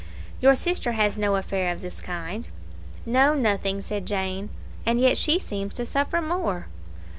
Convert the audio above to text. "Your sister has no affair of this kind?" "No; nothing," said Jane. "And yet she seems to suffer more."